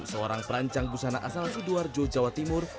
seorang perancang busana asal asal di luar jawa timur